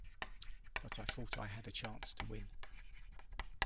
But I thought I had a chance to win.